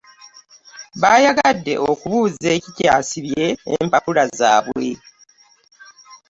Baayagadde okubuuza ekikyasibye empapula zaabwe